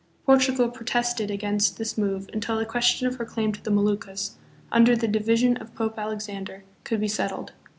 Portugal protested against this move until the question of her claim to the Moluccas, under the division of Pope Alexander, could be settled.